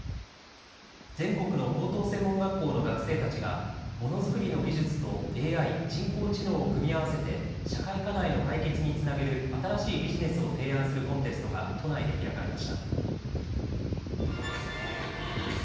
全国の高等専門学校の学生たちがものづくりの技術とＡＩ＝人工知能を組み合わせて社会課題の解決につなげる新しいビジネスを提案するコンテストが都内で開かれました。